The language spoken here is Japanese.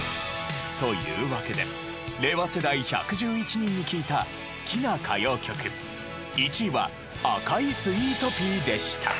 というわけで令和世代１１１人に聞いた好きな歌謡曲１位は『赤いスイートピー』でした。